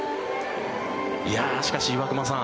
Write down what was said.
しかし、岩隈さん